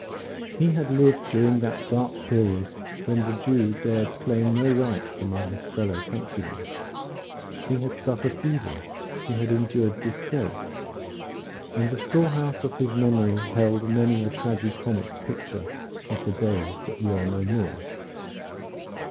He had lived during that dark period when the Jew dared claim no rights among his fellow countrymen. He had suffered evil, he had endured disgrace, and the storehouse of his memory held many a tragi comic picture of the days that were no more.